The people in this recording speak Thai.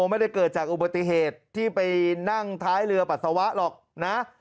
ไม่ได้เกิดจากอุบัติเหตุที่ไปนั่งท้ายเรือปัสสาวะหรอกนะ